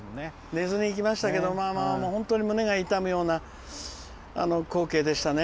寝ずに行きましたけど本当に胸が痛むような光景でしたね。